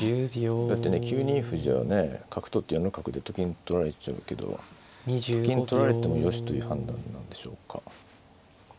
だってね９二歩じゃね角取って４六角でと金取られちゃうけどと金取られてもよしという判断なんでしょうか。